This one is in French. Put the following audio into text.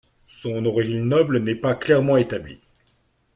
Son origine noble n'est pas clairement établi.